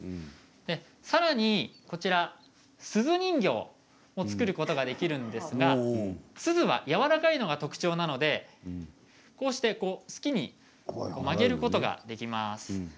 さらに、すず人形も作ることができるんですがすずはやわらかいのが特徴なので好きに曲げることができます。